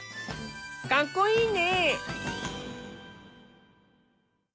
かっこいいね！